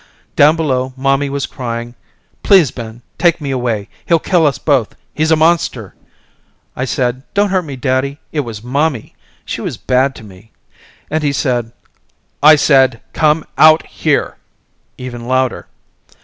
Down below mommy was crying please Ben, take me away, he'll kill us both, he's a monster! I said don't hurt me daddy it was mommy, she was bad to me, and he said I said come out here even louder.